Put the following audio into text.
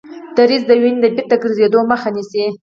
دریڅې د وینې د بیرته ګرځیدلو مخه نیسي.